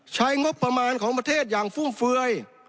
ใช้งบประมาณของประเทศอย่างฟุ่มเฟือย